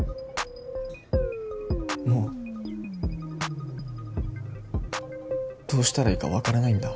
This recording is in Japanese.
もうどうしたらいいか分からないんだ